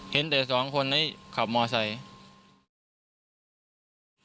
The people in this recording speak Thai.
เห็นแต่สองคนขับมอเตอร์ไซค์